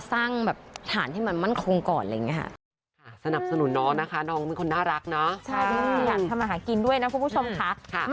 สร้างแบบฐานให้มันมั่นคงก่อนอะไรอย่างนี้ค่ะ